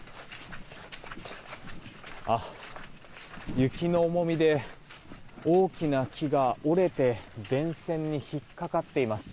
雪の重みで大きな木が折れて電線に引っかかっています。